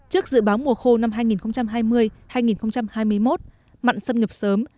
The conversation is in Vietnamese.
trước dự báo mùa khô năm hai nghìn hai mươi hai nghìn hai mươi một mặn xâm nhập sớm